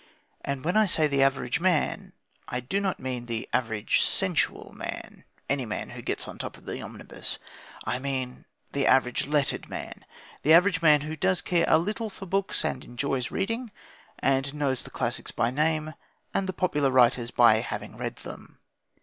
And when I say the average man, I do not mean the "average sensual man" any man who gets on to the top of the omnibus; I mean the average lettered man, the average man who does care a little for books and enjoys reading, and knows the classics by name and the popular writers by having read them.